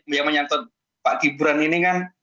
dia menyatukan pak gibran ini kan